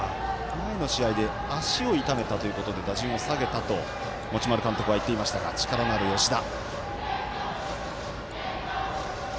前の試合で足を痛めたということで打順を下げたと持丸監督は言っていましたが力のある吉田。